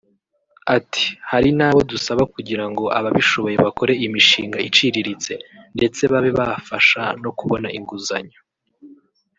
Ati “Hari n’abo dusaba kugira ngo ababishoboye bakore imishinga iciriritse ndetse babe bafasha no kubona inguzanyo…